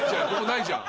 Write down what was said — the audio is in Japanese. ないじゃん